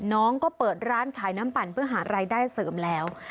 น้องก็เปิดร้านขายน้ำปั่นเพื่อหารายได้เสริมแล้ว